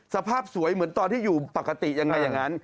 สภาพสวยเหมือนตอนที่อยู่ปกติยังไงอย่างนั้น